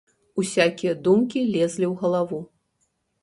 Усякія думкі лезлі ў галаву.